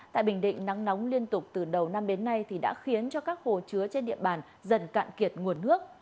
tại bình định nắng nóng liên tục từ đầu năm đến nay thì đã khiến cho các hồ chứa trên địa bàn dần cạn kiệt nguồn nước